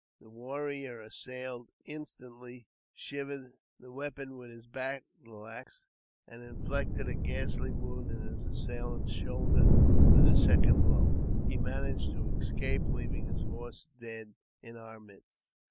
The warrior assailed instantly shivered the weapon with his battle axe, and inflicted a ghastly wound in his assailant's shoulder with a second blow. He managed to escape, leaving his horse dead in our midst.